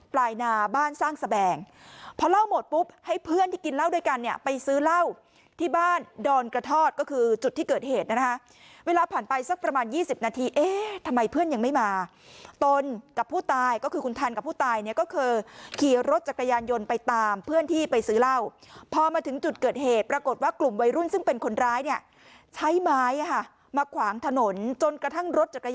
กันเนี้ยไปซื้อเล่าที่บ้านดอนกระทอดก็คือจุดที่เกิดเหตุนะคะเวลาผ่านไปสักประมาณยี่สิบนาทีเอ๊ะทำไมเพื่อนยังไม่มาตนกับผู้ตายก็คือคุณทันกับผู้ตายเนี้ยก็คือขี่รถจักรยานยนต์ไปตามเพื่อนที่ไปซื้อเล่าพอมาถึงจุดเกิดเหตุปรากฏว่ากลุ่มวัยรุ่นซึ่งเป็นคนร้ายเนี้ยใช้ไม้อะฮะมาขวางถนนจนกระท